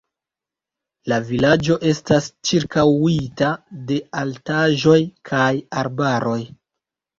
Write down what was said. La vilaĝo estas ĉirkaŭita de altaĵoj kaj arbaroj.